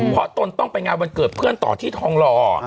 พอต้นต้องไปงานวันเกย์เปื่อนต่อที่ทองร